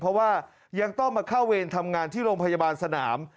เพราะว่ายังต้องมาเข้าเวรทำงานที่โรงพยาบาลสนาม